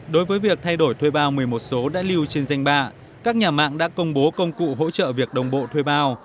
đối với việc thay đổi thuê bao một mươi một số đã lưu trên danh bạ các nhà mạng đã công bố công cụ hỗ trợ việc đồng bộ thuê bao